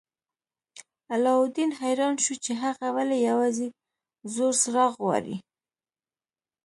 علاوالدین حیران شو چې هغه ولې یوازې زوړ څراغ غواړي.